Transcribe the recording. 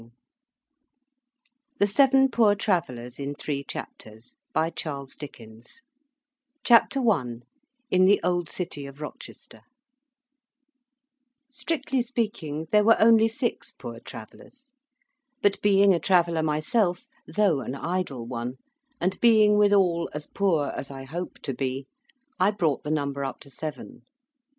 uk THE SEVEN POOR TRAVELLERS IN THREE CHAPTERS CHAPTER I IN THE OLD CITY OF ROCHESTER Strictly speaking, there were only six Poor Travellers; but, being a Traveller myself, though an idle one, and being withal as poor as I hope to be, I brought the number up to seven.